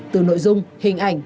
từ nội dung hình ảnh